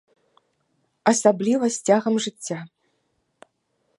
Асабліва з цягам жыцця.